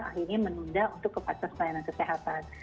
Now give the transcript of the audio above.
akhirnya menunda untuk ke pasir selainan kesehatan